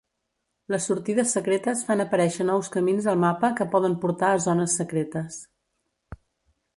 Les sortides secretes fan aparèixer nous camins al mapa que poden portar a zones secretes.